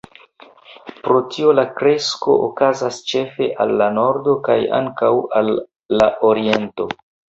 Pro tio la kresko okazas ĉefe al la nordo kaj ankaŭ al la oriento.